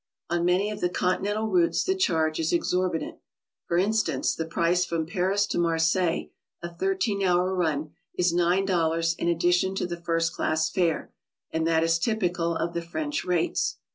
On many of the Continental routes the charge is exorbitant. For instance, the price from Paris to Marseilles, a i3 hou r run, is $9 in ■addition to the fir.st class fare, and that is typical of the French rates.